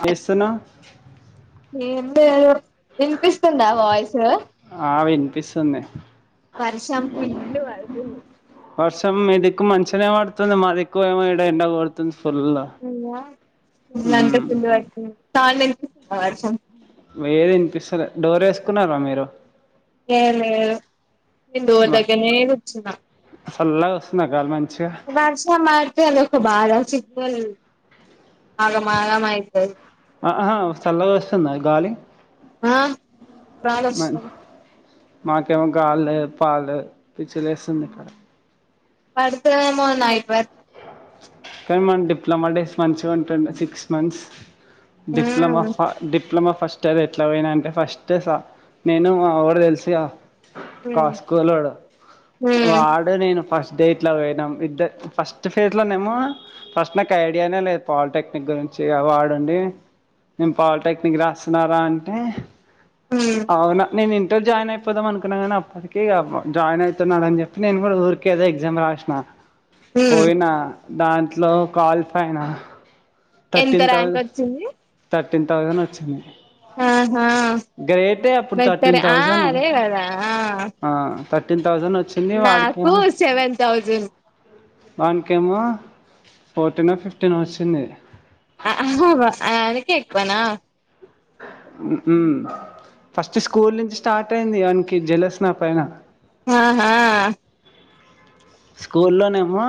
చేస్తున్నావ్ ఎం లేదు ఇనిపిస్తుందా వాయిస్ ఇన్పిస్తుంది వర్షాం ఫుల్లు వాడుతుంది వర్షం మీ దిక్కు మంచనే పడుతుంది మా దిక్కు ఏమో ఇడ ఎండ కొడుతుంది ఫుల్ అవునా ఫుల్లు అంటే ఉమ్ ఫుల్లు వాడుతుంది వర్షం సౌండ్ ఇనిపిస్తుందా ఏది ఇనిపిస్తలే డోర్ ఏసుకున్నారా మీరు ఏ లేదు నేన్ డోర్ దగ్గరనే కూర్చున్న సళ్ళగొస్తుందా గాలి మం వర్షం పడితే అదొక బాధ చివ్వల్ ఆహా చల్లగోస్తుందా గాలి ఆహ్ మ- గాలోస్తుంద్ మాకేమో గల్లేదు పడ్లేదు పిచ్చిలేస్తుంది ఇక్కడ పడుతదేమో నైట్ వర్క్ కానీ మన డిప్లొమా డేస్ మంచిగా ఉంటుంది సిక్స్ మంత్స్ డిప్లమా మ్మ్ ఫ డిప్ డిప్లమా ఫస్ట్ ఇయర్ ఎట్లా పోయినా అంటే ఫస్ట్ సా నేను మా ఒడు తెలుసుగా కా మ్మ్ స్కూల్లోడు మ్మ్ వాడు నేను ఫస్ డే ఇట్లా పోయినాం ఇద్ద ఫస్ట్ ఫేస్లనేమో ఫస్ట్ నాకు ఐడియానే లేదు పాలిటెక్నిక్ గురించి వాడుండి నేను పాలిటెక్నిక్ రాస్తున్నారా అంటే మ్మ్ అవునా నేనిన్ ఇంటర్ జాయిన్ అయిపోదాం అనుకున్నా కానీ అప్పటికిగా జాయిన్ అయితున్నాడు అని చెప్పి నేను కూడా ఊరికేదో ఎగ్జామ్ రాసిన మ్మ్ పోయినా దాంట్లో క్వాలిఫై అయినా ఎంత థర్టీన్ ర్యాంక్ థౌజండ్ వచ్చింది థర్టీన్ థౌజండ్ వచ్చింది ఆహా గ్రేటే అప్పుడు బెట్టరే థర్టీన్ ఆ థౌజండ్ అదే కదా ఆ థౌజండ్ వచ్చింది నాకు వాడికేమో సెవెన్ థౌజండ్ వాన్కేమో ఫోర్టీన్ ఓ ఫిఫ్టీన్ ఓ వచ్చింది ఆ ఆహా ఆయనకే ఎక్కువన ఉహ్ ఫస్ట్ స్కూల్ నుంచి స్టార్ట్ అయింది ఆన్కి జలస్ నా పైన ఆ హా స్కూల్లో నేమో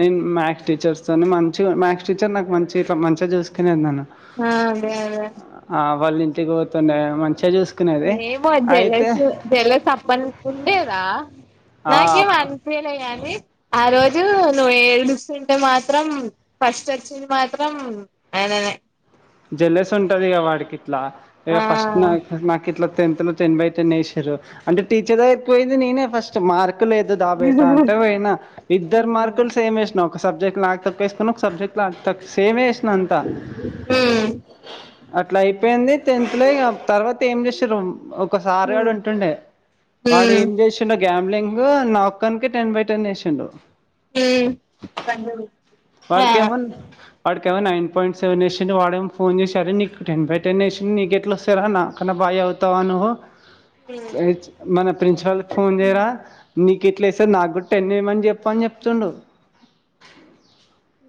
నేను మ్యాథ్స్ టీచర్స్ తోని మంచి మ్యాథ్స్ టీచర్ నాకు మంచిగిట్ల మంచిగా చూసుకునేది నన్ను ఆ అదే అదే ఆ, వాళ్ళ ఇంటికి పోతుండే మంచిగా చూస్ ఏమో జెలస్ జెలస్ అప్పనుండుండేదా నాకేం అనిపియాలే గని ఆ రోజు నువ్ ఏడుస్తుంటే మాత్రం ఫస్ట్ వచ్చింది మాత్రం అననే జల్లేెస్ ఉంటది ఇక వాడికిట్లా ఇక ఆ ఫస్ట్ నా నాకు ఇట్లా టెన్త్ లో టెన్ బై టెన్ వేసిరు అంటే టీచర్ దగ్గర కి పోయింది నేనే ఫస్ట్ మార్క్ లు లేదు దాబేట అంటే హ్మ్ పోయినా ఇద్దరు మార్కులు సేమ్ ఏసినము ఒక సబ్జెక్ట్లానాకు తప్పు వేసుకొని ఒక సబ్జెక్ట్లాతప్పే ఏసిన సేమే ఏసీన అంత హ్మ్ అట్లా అయిపోయింది టెన్త్ లో ఇగ తర్వాత ఏం చేసారు ఒక సార్ గాడు ఉంటుండే వాడు హ్మ్ ఏం చేసిండే గ్యాంలింగ్ నాక్కన్ కి టెన్ బై టెన్ వేసిండు ఉమ్ ఆ వాడికిమోన్ నైన్ పాయింట్ సెవెన్ వేసింది వాడని ఫోన్ చేసారే నీకు టెన్ బై టెన్ వేసింది నీకే ఎట్లా వస్తయి రా నాకన్నా బా చదువుతావా నువ్వు మన ప్రిన్సిపాల్ క ఫోన్ చేయరా నీకు ఎట్లా వేస్తాది నాకు గుడా టెన్ చేయ్ చెప్పు అని చెప్తుండు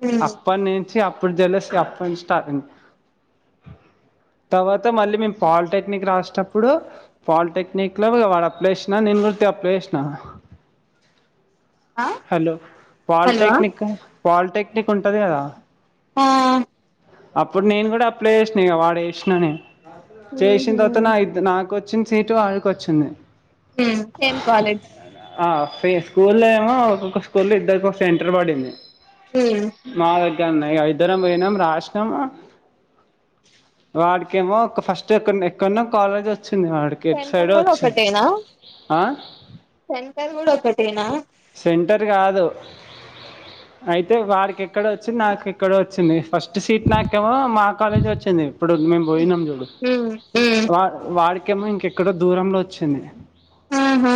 హ్మ్ అప్ప నుంచి అప్పుడు జలస్ అప్ప నుంచి స్టార్ట్ అయింది తర్వాత మళ్ళీ మేము పాలిటెక్నిక్ రాసేనప్పుడు పాలిటెక్నిక్ లో వాడు అప్లసిన నేను అప్లైసిన ఆ హలో హలో పాలిటెక్నిక్ పాలిటెక్నిక్ ఉంటది కదా ఆ అప్పుడు నేను కూడా అప్లై చేసిన వాడేసిన చేసిన ఉహు తర్వాత నా నాకు వచ్చిన సీటు ఆడికి వచ్చింది ఉమ్ సేమ్ కాలేజ్ స్కూల్లో ఏమో ఒక్కొక్క స్కూల్లో ఇద్దరుకొ సెంటర్ పడింది మా ఇగ ఉన్నాయి ఇద్దరం పోయినాం రాసినం వాడికేమో ఒక ఫస్ట్ ఎక్క ఎక్కడన్నా కాలేజ్ వచ్చింది వాడికి ఎటు సెంటర్ సైడ్ కూడా వచ్చ ఒకటేనా ఆ సెంటర్ కూడా ఒకటేనా సెంటర్ కాదు అయితే వాడికి ఎక్కడో వచ్చింది నాకు ఎక్కడో వచ్చింది ఫస్ట్ సీట్ నాకేమో మా కాలేజీ వచ్చింది ఇప్పుడు మేము పోయినాం చూడు ఉమ్ ఉమ్ వాడికేమో ఇంకెక్కడో దూరంలో వచ్చింది ఆహా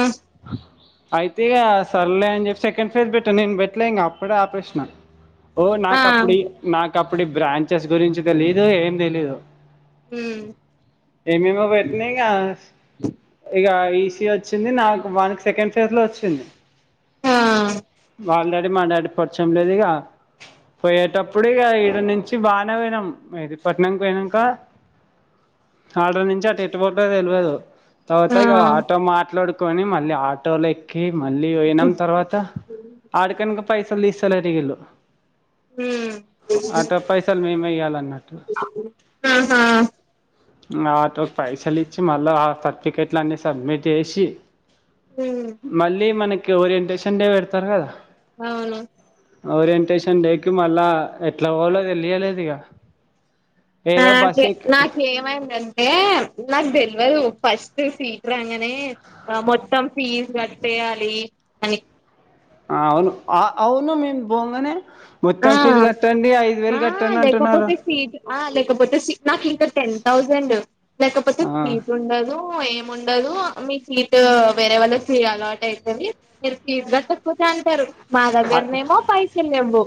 అయితే ఇక సర్లే అని చెప్పి సెకండ్ ఫేజ్ పెట్టాను నేను పెట్టలే ఇంక అప్పుడే ఆపేసిన ఓ ఆ నాకుప్పుడు నాకప్పుడు బ్రాంచెస్ గురించి తెలీదు ఏం తెలీదు ఉమ్ ఏమేమో బెట్నేంగా వచ్చింది నాకు వానికి సెకండ్ ఫేజ్ లో వచ్చింది ఆ వాళ్ళ దగ మా డాడి పరిచయం లేదు ఇగ పోయేటప్పుడు ఇక ఇడ నుంచి వచ్చి బాగానే పోయినాం ఇది మెహదిపట్ణంనికి పోయినమ్క ఆడ్ర నుంచి అటు ఎట్టు పోతదో తెలువదు తర్వాత ఆ ఆటో మాట్లాడుకొని మళ్ళీ ఆటోలో ఎక్కి మళ్ళీ పోయినం తర్వాత ఆడికి పోయినంక పైసలు తీస్తలేరు ఇగ వీళ్ళు ఉమ్ ఆ పైసలు మేముయ్యాలన్నట్టు ఆహా ఆటోకి పైసలు ఇచ్చి మళ్ళా ఆ సర్టిఫికెట్లు అన్నీ సబ్మిట్ చేసి ఉమ్ మళ్ళీ మనకి ఓరియంటేషన్ డే పెడతారు కదా అవును ఓరియంటేషన్ డేకి మళ్ళా ఎట్లా పోవలో తెలియలేదు ఇక నాకే నాకేమైందంటే నాకు తేలవదు ఫస్ట్ సీట్ రాంగానే మొత్తం ఫీజు కటేయాలి అని అవును అవును మేము పొంగానే ఆ మొత్తం ఫీజు కట్టండి అని ఆ లేకపోతే సీట్ ఆ లేకపోతే నాకు ఇంకా టెన్ థౌసండ్ లేకపోతే సీట్ ఉండదు ఎం ఉండదు ఉండదు మీ సీట్ వేరే వాళ్ళ కీ అలాట్ అయితది మీరు ఫీజు కట్టకపోతే అంటారు మా ఆ దగ్గరనేమో పైసలు లేవు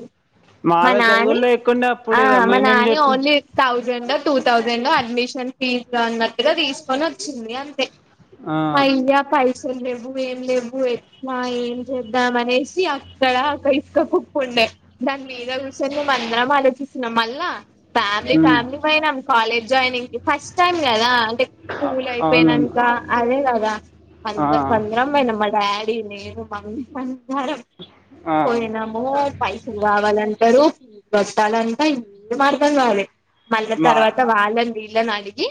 మా దగ్గర నానే కూడా లేకుండే అప్పుడు ఆ ఇక మా మేమేం నానే చెప్పినాం only thousand two thousand admission fee గా అన్నట్టుగా తీసుకొని వచ్చింది అంతే ఆ, అైగా పై [unintelligible] అసలు లేవు ఏం లేవు ఎ ఏం చేద్దాం అనేసి అక్కడ అక్క ఇసుక కుక్కుండే దాని మీద కూర్చొని మేము అందరం ఆలోచిస్తున్నాం మళ్ళా ఫ్యామిలీ ఉమ్, ఫ్యామిలీ పోయినం కాలేజీ కి జాయినింగ్ కి ఫస్ట్ టైమ్ కదా స్కూల్ అవునవును అయిపోయినాంక అదే కదా ఆ, అందరు అందరం పోయినాం మా డాడీ నేను మమ్మీ అందరం ఆ, పోయినాము పైస కావాలంటారు కట్టాలంటా ఏమి అర్థం కాాలే మళ్ళా మా తర్వాత వాళే ఇలా నడిగి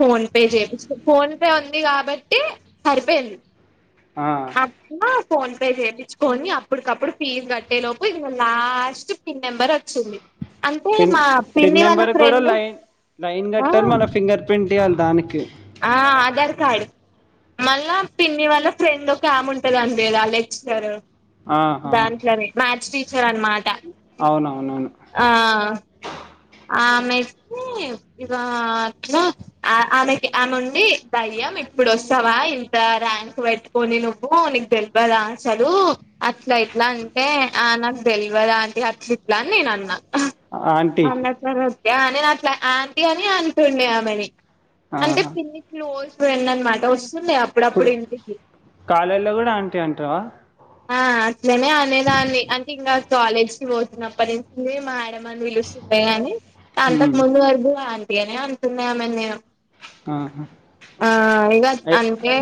ఫోన్ పే చేపిచి ఫోన్ పే ఉంది కాబట్టే సరిపోయింది ఆ, అప్పుడు ఫోన్ పే చేపించుకోని అప్పటికప్పుడు ఫీజు కట్టే లోపు లాస్ట్ పిన్ నెంబర్ వచ్చింది అంటే పిన్ మా పిన్ పిన్ని వాళ్ళ నెంబర్ ఫ్రెండ్ కూడాలైన్ లైన్ ఆ కట్టాలి మళ్ళ ఫింగర్ ప్రింట్ ఇయ్యాలి దానికి ఆ ఆధార్ కార్డ్ మళ్ళా పిన్ని వాళ్ళ ఫ్రెండ్ ఒక ఆమె ఉంటది అంటగా లెక్చరర్ ఆహా, దాంట్లోనే మ్యాథ్స్ టీచర్ అన్నమాట అవునవునవును ఆ ఆమె ఇవా ఆమెకి ఆమె ఉండి దయ్యం ఇప్పుడు వస్తావా ఇ ఇంత ర్యాంక్ పెట్టుకొని నువ్వు నీకు తెల్వదా అసలు అట్లా ఇట్లా అంటే ఆ నాకు తెల్వదా అంటె అట్లా ఇట్లా అని నేను అన్నా అ అన్నట్లు అ నేను అట్లా ఆంటీ అని అంటుండే ఆమెని ఆ, అంటే పిన్నికి క్లోజ్ ఫ్రెండ్ అన్నమాట వసు ఇప్పుడు కాలేజ్ లొ కూడా ఆంటీ అంటావా ఆ అట్లనే అనే దాన్ని అంటే ఇంకా కాలేజ్కి పోతున్నప్పటి నుంచి మేడం అని పిలుస్తుండే కాని అంతకు ఉమ్, ముందు వరకు ఆంటీఅనే అంటున్న ఆమె ని నేను ఆహా. ఆ ఇగ ఏ- అంతే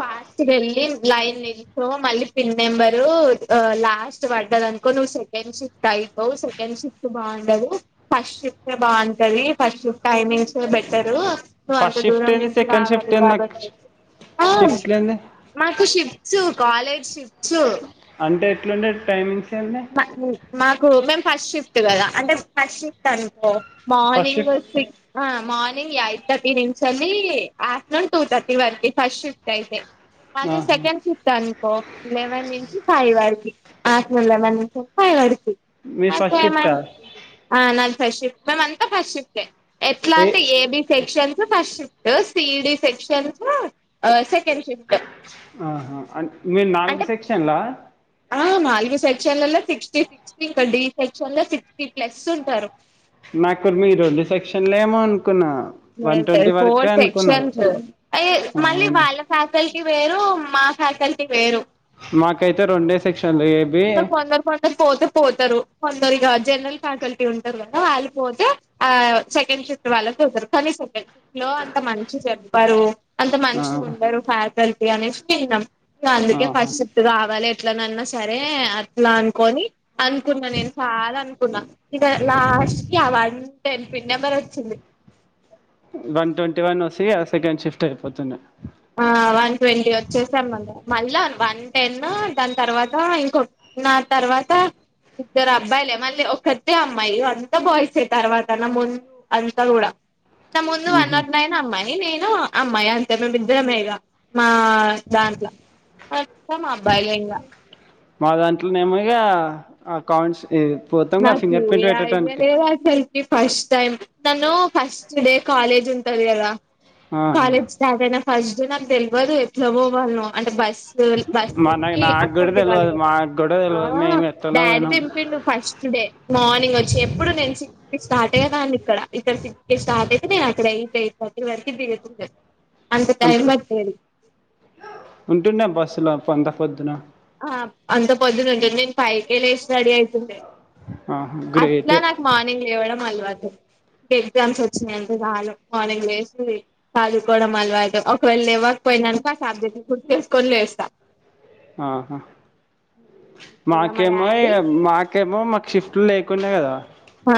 ఫాస్ట్ గా ఎళ్ళి లైన్ నిల్చొ మళ్ళీ పిన్ నెంబరు లాస్ట్ పడ్ ఉంటదనుకో నువ్వు సెకండ్ షిఫట్ అయిపోవు సెకండ్ షిఫ్ బావుండదు ఫస్ట్ షిఫ్టే బావుంటది ఫస్ట్ టైమింగ్స్ బెటరు నువ్వు అంత ఫస్ట్ షిఫ్ట్ దూరం ఏంది నుంచి సెకండ్ రావాలి కాబట్టి షిఫ్ట్ లు ఎంది షిఫ్ట్ కాలేజ్ షిఫ్ట్స అంటే ఎట్లుండే టైమింగ్స్ ఏంది మాకు మేం ఫస్ట్ షిఫ్ట్ కదా అంటే ఫస్ట్ షిఫ్ట్ అనుకో ఫస్ట్ మార్నింగ్ షిఫ్ట్ సిక్స్ ఆ మార్ని ది అయిథర్టీ నుంచేలీ ఆఫ్టర్నూన్ టూ తర్టీ వరకు ఫస్ట్ షిఫ్ట్ అయితే అదే ఆహా. సెకండ్ ఫిఫ్త్ అనుకో లెవెన్ నుంచి ఫైవ్ వారకి ఆఫ్టర్ లెవెన్ ఫై వరకి మీరు ఫస్ట్ అప్పుడు షిఫ్టా ఏమైన్ ఆ నా ఫస్ట్ షిఫ్ మీము అంతా ఫస్ట్ ిఫ్టే ఎట్లా ఏ అంటే AB section first shift ED sections ఆ సే ఆహా అ మీయి నాలుగు అంటే సెక్షన్లా ఆ నాలుగు సెక్షన్లలో సిక్స్టీ సిక్స్టీ ఇంకా డి సెక్షన్ లో సిక్స్టీ ప్లస్ ఉంటారు నాకు మీ రెండు సెక్షన్ లేమో అను లేదు లేదు ఫోర్ సెక్షన్స్ యి అ ఆ, మళ్ళీ అవును వాళ్ళ ఫ్యాకల్టీ వేరు మా ఫ్యాకల్టీ వేరు మాకైతే రెండే సెక్షన్లు ఏబి ఇంకా కొందరు కొందరు పోతే పోతారు కొందరు ఇగ జనరల్ ఫ్యాకల్టీ ఉంటారు కదా వాళ్ళు పోతే ఆ సెకండ్ షిఫ్ట్ వాళ్ళకి పోతారు కానీ సెకండ్ షిఫ్ట్ లో లో అంత మంచిగ చెప్పారు అంత ఆ మంచిగా ఉండరు ఫ్యాకల్టీ అనేసి విన్నాం ఇగ అందుకే ఆహా ఫస్ట్ షిఫ్ట్ కావాలే అట్లనన్న సరే అట్లా అనుకోని అనుకున్నా నేను చాలా అనుకున్నా ఇగ లాస్ట్ కి వన్ టెన్ పిన్ నెంబర్ వచ్చింది వన్ ట్వంటీ వన్ వస్తే ఇగ సెకండ్ షిఫ్ట్ అయిపోతుండే ఆ వన్ ట్వంటీ వచ్చేసాం మళ్ళ మళ్ళా వన్ టెన్ దాని తర్వాత ఇంకొట్ దాని తర్వాత ఇద్దరు అబ్బాయిలే మళ్ళీ ఒక్కతె అమ్మాయి ఇగ అంత బాయిసే తర్వాత నా ముందు అంత కూడా అ నా ముందు వన్ నాట్ నైన్ అమ్మాయి నేను అమ్మాయి అంతే మీము ఇద్దరమే ఇగ మా దాంట్ల మొత్తం అబ్బాయిలే ఇంగ మా దాంట్లనేమో ఇగ అకౌట్స్ ఈ నాకు ఏ ఐడియా లేదు అసల్ కి ఫస్ట్ టైమ్ నన్ను ఫస్ట్ డే కాలేజ్ ఉంటది కద ఆ కాలేజ్ స్టార్ట్ అయిన ఫస్ట్ డే నాకు తెలియదు ఎట్లా పోవాళ్నో అంటే బస్ మా నా బస్సేక్కి నాకు అక్కడ కూడా దిగాలిి తెలవదు కదా మాకు కూడా తెలవదు ఆ మేము ఎట్లనో డాడీ పోయినాం దింపిండు ఫస్ట్ తె మార్నింగ్ వచ్చి ఎప్పుడు నేను సిక్స్ కి స్టార్ట్ అయ్యే దాన్ని ఇక్కడ ఇక్కడ సిక్కి స్టార్ట్ అయితే నేను అక్కడ ఎయి ఏయిట్ తర్టీ వరకి దిగుతుండే టైం అంత పట్టేది ఉంటుండే బస్సులు అంత పొద్దున ఆ అంత పొద్దున ఉంటుంది నేను పైకే లసి రెడీ అయితుండే ఆహా! అట్లా గ్రేటే. నాకు మార్నింగ్ లేవడం అలవాటు ఎగ్జామ్స్ వచ్చినాయంటే చాలు మార్నింగ్ లేచి చదువుకోవడం అల్వాటు అయితే ఒకవేళ లేవకపోఇందనుకో ఆ సబ్జెక్ట్ ను గుర్తు చేసుకొని లే ఆహా ఇగ మా మాకేమో డాడీ మాకేమో మాకు షిఫ్ట్ లే కొన్నే కదా ఆ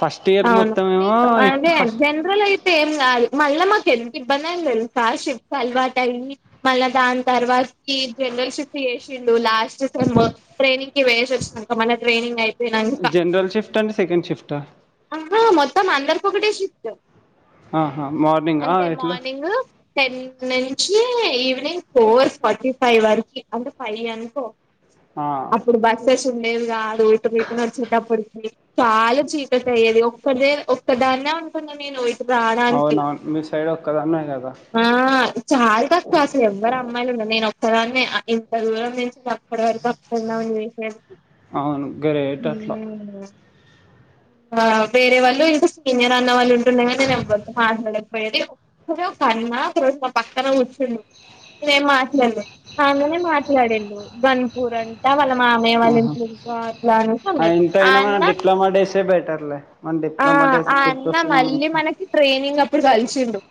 ఫస్ట్ ఇయర్ అవును మొత్తం ఏమో మీకు ఎట్ అదే ఫస్ట్ జనరల్ అయితే ఏం కాదు మళ్ళా మాకు ఎంత ఇబ్బంది ఆఇంది తెలుసా షిప్స్ అలవాటు అయ్యి మళ్ళా దాని తర్వాతికి జనరల్ షిఫ్ట్ చేసిండు లాస్ట్ సేమ్ము ట్రైనింగ్ కి పోయేషి వచ్చినంక మన ట్రైనింగ్ అయిపోయినంక జనరల్ షిఫ్ట్ అండ్ సెకండ్ షిఫ్టా? ఆహా మొత్తం అందరికి ఒకటే షిఫ్ట్ ఆహా! మార్నింగా అంటే ఎట్లా? మార్నింగ్ టెన్ నుంచి ఈవినింగ్ ఫోర్ ఫార్టీ ఫైవ్ వరకి అంటే ఫై అనుకో ఆ! అప్పుడు బస్సెస్ ఉండేవి కాదు ఇటు రిటనర్స్ అప్పటికి చాలా చీకటి అయ్యేది ఒక్కట్దే ఒక్కదాన్నే ఉంటున్న నేను రావడానికి అవునా మీ సైడ్ ఒకక్క ఆ చాలా తక్కువ అసలు ఎవ్వరు అమ్మాయిలు ఉండ నేన్ ఓక్ అస్తలాన్ని ఇంత దూరం నుంచి అప్పటి వరకు అప్పుడుందామ అని చేసను అవును గరేట హ్మ్ ఆ వేరే వాళ్ళు ఇంకా సీనియర్ అన్నవాళ్ళు ఉంటున్నా కాని నేను అవ్వద్ మాట్లాడకపోయేది కన్నా ఒక రోజు మా పక్కన కూర్చుండు ఎం మాట్లాడలే తనే మాట్లాడిండు బన్పూర్ అంటా వాళ్ళ మామే ఆహా! వాళ్ళట్లా ఆ, అ ఎంతైనా మన అంద డిప్లొమా డేసే బెటర్లే. మన ఆ డిప్లొమా డేస్ అన్న గుర్తొస్తున్నాయి మళ్ళీ మంచిగా. మనకి ట్రెనింగ్ అప్పుడు కలిసిండు